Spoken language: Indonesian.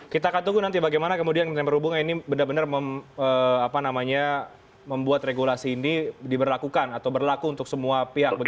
kita akan tunggu nanti bagaimana kemudian kementerian perhubungan ini benar benar membuat regulasi ini diberlakukan atau berlaku untuk semua pihak